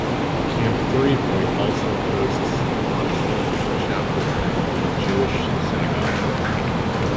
Camp Three Point also hosts the Protestant Chapel and the Jewish Synagogue.